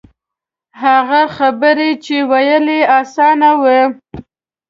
هغه خبرې چې ویل یې آسان وي.